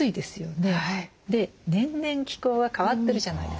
で年々気候は変わってるじゃないですか。